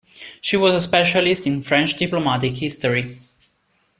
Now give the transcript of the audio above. She was a specialist in French diplomatic history.